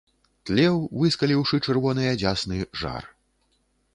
Тлеў, выскаліўшы чырвоныя дзясны, жар.